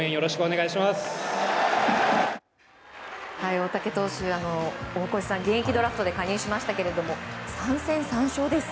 大竹投手大越さん、現役ドラフトで加入しましたが３戦３勝です。